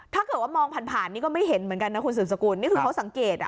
ถ้าเกิดว่ามองผ่านผ่านนี่ก็ไม่เห็นเหมือนกันนะคุณสืบสกุลนี่คือเขาสังเกตอ่ะ